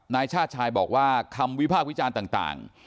นายชาติชายบอกว่าคำวิพากษ์วิจารณ์ต่าง